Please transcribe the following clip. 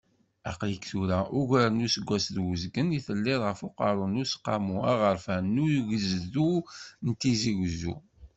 Aql-ik tura, uger n useggas d uzgen i telliḍ ɣef uqerru n Useqqamu Aɣerfan n Ugezdu n Tizi Uzzu.